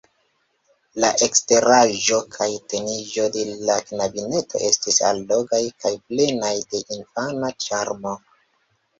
La eksteraĵo kaj teniĝo de la knabineto estis allogaj kaj plenaj de infana ĉarmo.